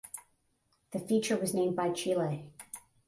The feature was named by Chile.